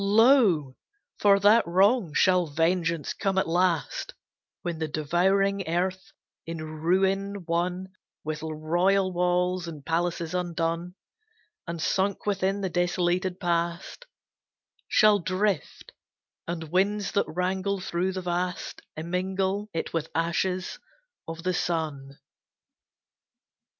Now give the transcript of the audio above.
Lo! for that wrong shall vengeance come at last, When the devouring earth, in ruin one With royal walls and palaces undone, And sunk within the desolated past, Shall drift, and winds that wrangle through the vast Immingle it with ashes of the sun.